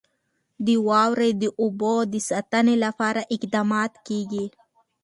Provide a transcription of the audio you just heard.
د واورو د اوبو د ساتنې لپاره اقدامات کېږي.